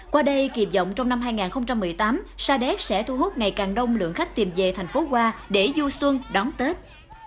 qua đây kỳ vọng trong năm hai nghìn một mươi tám sa đéc sẽ thu hút ngày càng đông lượng khách tìm về thành phố hoa để du xuân đón tết